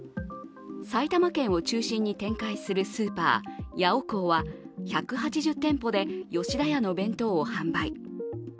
埼玉県を中心に展開するスーパー、ヤオコーは１８０店舗で吉田屋の弁当を販売。